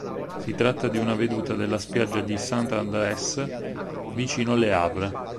Si tratta di una veduta della spiaggia di Sainte-Adresse, vicino a Le Havre.